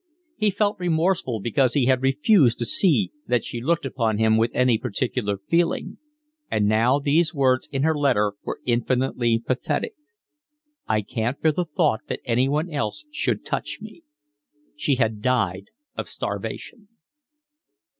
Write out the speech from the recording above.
He felt remorseful because he had refused to see that she looked upon him with any particular feeling, and now these words in her letter were infinitely pathetic: I can't bear the thought that anyone else should touch me. She had died of starvation.